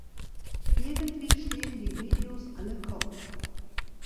Irgendwie stehen die Videos alle Kopf.